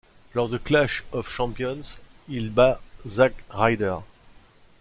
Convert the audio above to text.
Lors de Clash of Champions, il bat Zack Ryder.